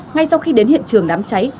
ngay sau khi đến hiện trường đám cháy